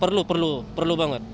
perlu perlu perlu banget